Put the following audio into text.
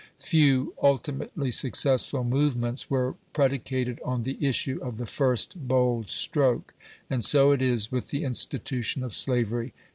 Few ultimately successful movements were predicated on the issue of the first bold stroke, and so it is with the institution of slavery.